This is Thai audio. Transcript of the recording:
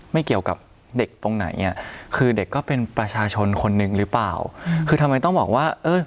ไม่ได้หรอคะ